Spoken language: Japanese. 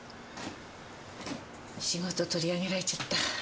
仕事取り上げられちゃった。